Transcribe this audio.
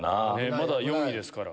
まだ４位ですから。